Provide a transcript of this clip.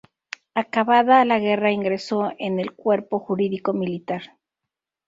Acabada la guerra ingresó en el Cuerpo Jurídico Militar.